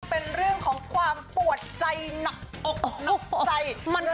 เป็นเรื่องของความปวดใจหนักอกหนักใจ